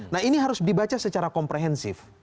nah ini harus dibaca secara komprehensif